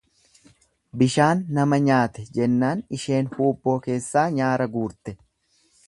Bishaan nama nyaate jennaan isheen huubboo keessaa nyaara guurte.